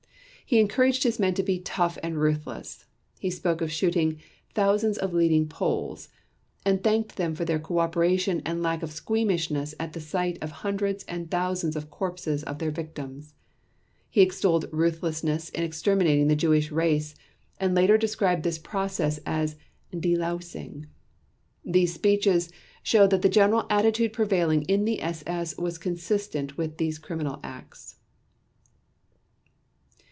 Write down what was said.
He encouraged his men to be "tough and ruthless", he spoke of shooting "thousands of leading Poles", and thanked them for their cooperation and lack of squeamishness at the sight of hundreds and thousands of corpses of their victims. He extolled ruthlessness in exterminating the Jewish race and later described this process as "delousing." These speeches show that the general attitude prevailing in the SS was consistent with these criminal acts.